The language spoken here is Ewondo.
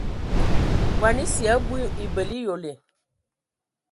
Ngɔn esə ya mbu ebələ eyole.